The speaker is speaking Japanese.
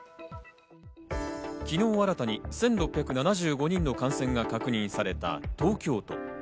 昨日新たに１６７５人の感染が確認された東京都。